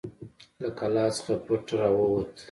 له قلا څخه پټ راووت.